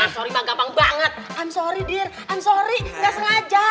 sorry ma gampang banget i'm sorry dear i'm sorry enggak sengaja